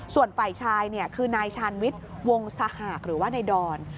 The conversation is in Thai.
ส่วนฝ่ายชายคือนายชาญวิทย์วงสหากหรือว่านายดอน